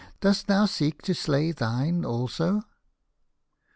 Dost thou seek to slay thine also